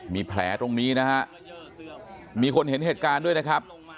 มีแผลตรงนี้นะฮะมีคนเห็นเหตุการณ์ด้วยนะครับ